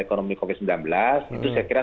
ekonomi covid sembilan belas itu saya kira